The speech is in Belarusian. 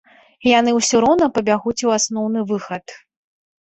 Яны ўсё роўна пабягуць у асноўны выхад.